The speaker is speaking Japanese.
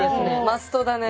マストだね。